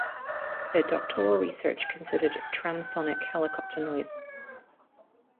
Her doctoral research considered transonic helicopter noise.